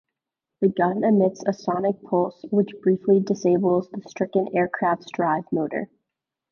The gun emits a sonic pulse which briefly disables the stricken aircraft's drive motor.